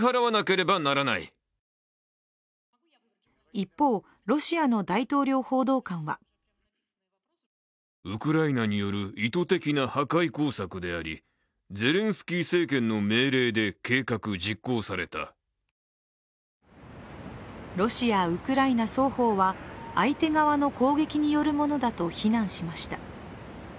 一方、ロシアの大統領報道官はロシア・ウクライナ双方は相手側の攻撃によるものだと非難しました。